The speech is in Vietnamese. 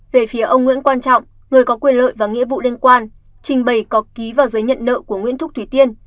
về phía ông nguyễn quang trọng người có quyền lợi và nghĩa vụ liên quan trình bày cọc ký vào giấy nhận nợ của nguyễn thúc thủy tiên